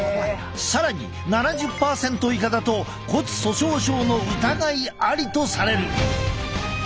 更に７０％以下だと骨粗しょう症の疑いありとされる。